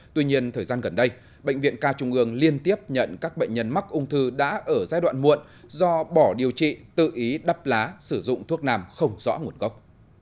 tuy nhiên thời gian gần đây bệnh viện ca trung ương liên tiếp nhận các bệnh nhân mắc ung thư đã ở giai đoạn muộn do bỏ điều trị tự ý đắp lá sử dụng thuốc nam không rõ nguồn gốc